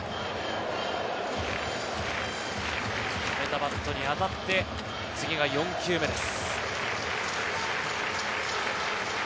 止めたバットに当たって次が４球目です。